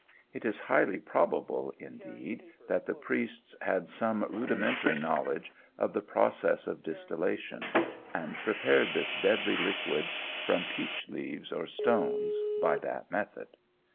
It is highly probable, indeed, that the priests had some rudimentary knowledge of the process of distillation, and prepared this deadly liquid from peach leaves or stones, by that method.